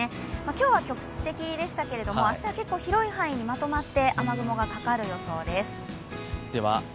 今日は局地的でしたけれども、明日は結構広い範囲にまとまって、雨雲がかかる予想です。